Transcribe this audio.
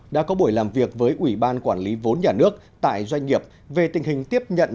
đã có buổi làm việc với ủy ban quản lý vốn nhà nước tại doanh nghiệp về tình hình tiếp nhận